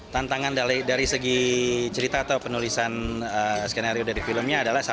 tantangan dari segi cerita atau penulisan skenario dari filmnya adalah